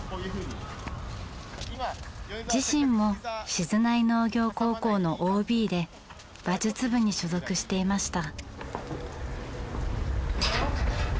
自身も静内農業高校のＯＢで馬術部に所属していました。